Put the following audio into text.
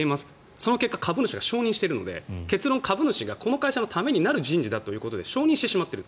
その結果株主が承認しているので結論、株主がこの会社のためになる人事だということで承認している。